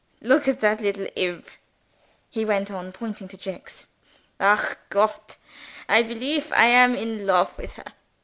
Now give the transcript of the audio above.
Look at that little Imps," he went on, pointing to Jicks. "Ach Gott! I believe I am in lofe with her.